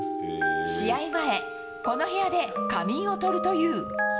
試合前、この部屋で仮眠をとるという。